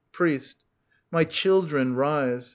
Priest. My children, rise.